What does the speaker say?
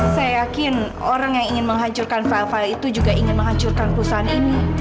saya yakin orang yang ingin menghancurkan file file itu juga ingin menghancurkan perusahaan ini